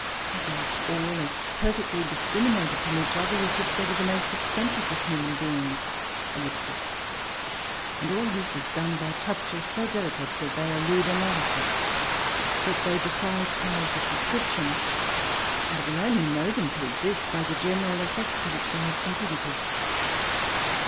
Yet they are all as perfectly discriminated from each other as if they were the most eccentric of human beings. ... And all this is done by touches so delicate that they elude analysis, that they defy powers of description, and that we only know them to exidt by the general e£fect to which they have contributed.'